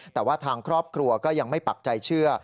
แต่ว่าทางครอบครัวก็ยังไม่ปักใจเชื่อ